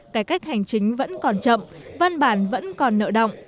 cải cách hành chính vẫn còn chậm văn bản vẫn còn nợ động